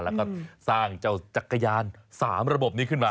แล้วก็สร้างเจ้าจักรยาน๓ระบบนี้ขึ้นมา